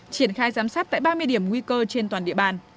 triển khai giám sát tại ba mươi điểm nguy cơ trên toàn địa bàn